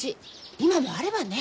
今もあればね！